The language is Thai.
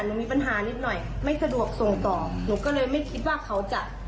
หนูมีปัญหานิดหน่อยไม่สะดวกส่งต่อหนูก็เลยไม่คิดว่าเขาจะ